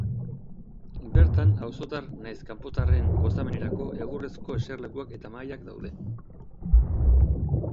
Bertan, auzotar nahiz kanpotarren gozamenerako egurrezko eserlekuak eta mahaiak daude.